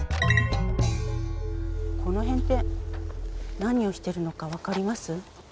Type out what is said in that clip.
この辺って何をしてるのか分かります？